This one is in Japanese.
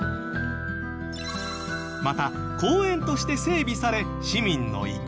また公園として整備され市民の憩いの場に。